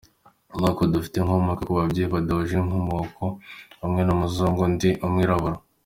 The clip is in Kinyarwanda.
Markel afite inkomoka ku babyeyi badahuje inkomoko, umwe ni umuzungu undi ni umwirabura.